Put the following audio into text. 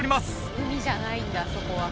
海じゃないんだそこは。